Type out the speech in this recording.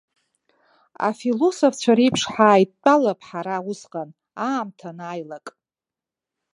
Афилососфцәа реиԥш ҳааидтәалап ҳара усҟан, аамҭа анааилак.